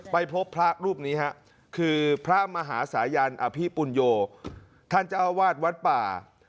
ไปพบพระรูปนี้ฮะคือพระมหาสายันอภิปุญโยท่านเจ้าอาวาสวัดป่า